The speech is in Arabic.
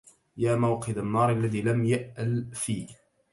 يا موقد النار الذي لم يأل في